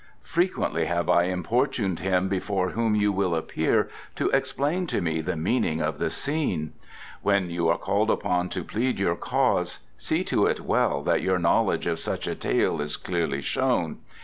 Frequently have I importuned him before whom you will appear to explain to me the meaning of the scene. When you are called upon to plead your cause, see to it well that your knowledge of such a tale is clearly shown.